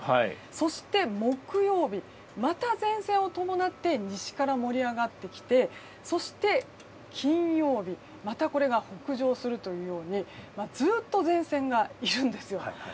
そして、木曜日また前線を伴って西から盛り上がってきてそして、金曜日また、これが北上するというようにずっと前線がいるんですよ。